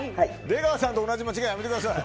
出川さんと同じ間違いやめてください！